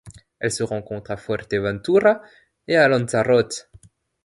Elle se rencontre à Fuerteventura et à Lanzarote.